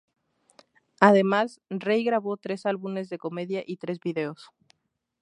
Además, Rey grabó tres álbumes de comedia y tres vídeos.